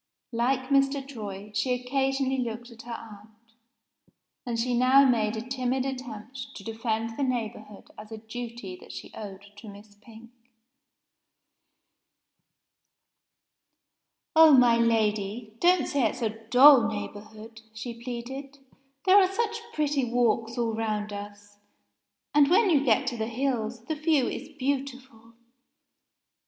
Like Mr. Troy, she occasionally looked at her aunt and she now made a timid attempt to defend the neighborhood as a duty that she owed to Miss Pink. "Oh, my Lady! don't say it's a dull neighborhood," she pleaded. "There are such pretty walks all round us. And, when you get to the hills, the view is beautiful."